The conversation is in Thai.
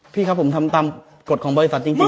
พี่ครับผมทำตามกฎของบริษัทจริง